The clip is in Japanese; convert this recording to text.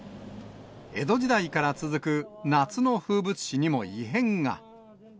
江戸時代から続く夏の風物詩にも異変が。